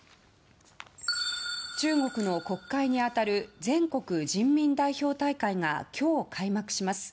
中国の国会に当たる全国人民代表大会が今日、開幕します。